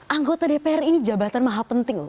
anggota dpr ini jabatan maha penting loh